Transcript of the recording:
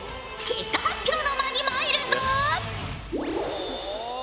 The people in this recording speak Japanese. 結果発表の間に参るぞ！